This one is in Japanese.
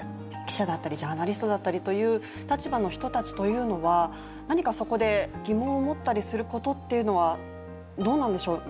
記者だったりジャーナリストだったりという立場の人たちというのは何かそこで疑問を持ったりすることっていうのはどうなんでしょう？